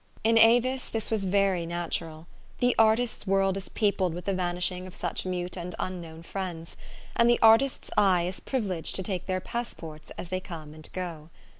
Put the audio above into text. In Avis this was very natural. The artist's world is peopled with the vanishing of such mute and unknown friends ; and the artist's eye is privi leged to take their passports as they come and go.